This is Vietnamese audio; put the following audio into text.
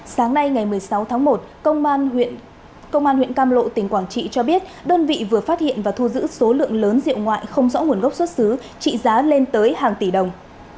sáng nay ngày một mươi sáu tháng một công an huyện cam lộ tỉnh quảng trị cho biết đơn vị vừa phát hiện và thu giữ số lượng lớn rượu ngoại không rõ nguồn gốc xuất xứ trị giá lên tới hàng tỷ đồng